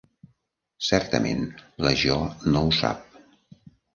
Certament, la Jo no ho sap.